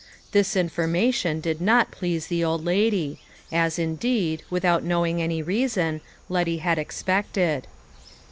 This information did not please the old lady, as, indeed, without knowing any reason, Letty had expected.